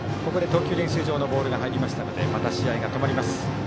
投球練習場のボールが入りましたのでまた試合が止まります。